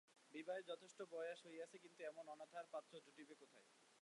বিবাহের বয়স যথেষ্ট হইয়াছে, কিন্তু এমন অনাথার পাত্র জুটিবে কোথায়?